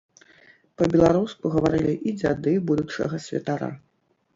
Па-беларуску гаварылі і дзяды будучага святара.